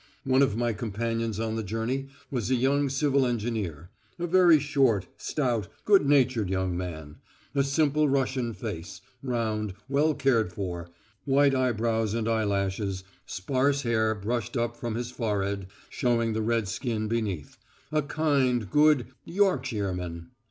One of my companions on the journey was a young civil engineer, a very short, stout, good natured young man: a simple Russian face, round, well cared for, white eyebrows and eyelashes, sparse hair brushed up from his forehead, showing the red skin beneath ... a kind, good "Yorkshireman."